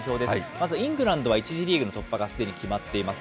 まずイングランドは１次リーグの突破がすでに決まっています。